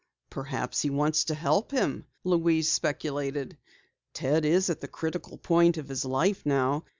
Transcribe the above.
"Perhaps he wants to help him," Louise speculated. "Ted is at the critical point of his life now.